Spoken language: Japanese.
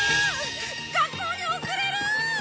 学校に遅れる！